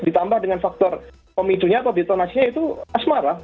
ditambah dengan faktor komitunya atau detonasinya itu asmara